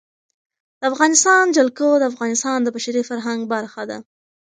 د افغانستان جلکو د افغانستان د بشري فرهنګ برخه ده.